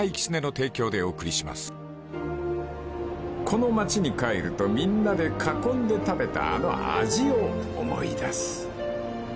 ［この町に帰るとみんなで囲んで食べたあの味を思い出す］